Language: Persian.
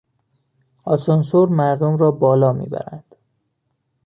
آسانسور مردم را بالا میبرد.